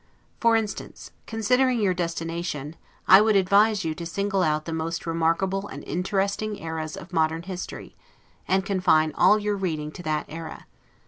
For instance, considering your destination, I would advise you to single out the most remarkable and interesting eras of modern history, and confine all your reading to that ERA.